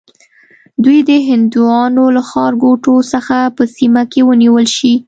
دوی دې د هندیانو له ښارګوټو څخه په سیمه کې ونیول شي.